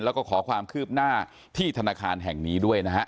แล้วก็ขอความคืบหน้าที่ธนาคารแห่งนี้ด้วยนะฮะ